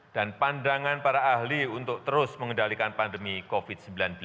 dan pandangan para ahli untuk terus mengendalikan pandemi covid sembilan belas